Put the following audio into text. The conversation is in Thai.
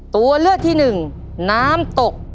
ตัวเลือดที่๑น้ำตก